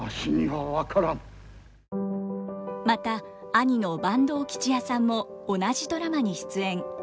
また兄の坂東吉弥さんも同じドラマに出演。